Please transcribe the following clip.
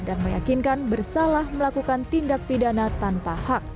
dan meyakinkan bersalah melakukan tindak pidana tanpa hak